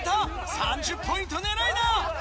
３０ポイント狙いだ！